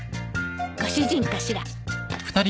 ご主人かしら。